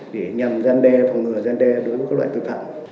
để nhằm gian đe phòng ngừa gian đe đối với các loại tội phạm